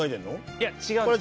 いや違うんですよ。